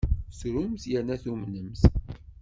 Trumt yerna tumnemt.